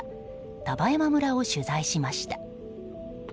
丹波山村を取材しました。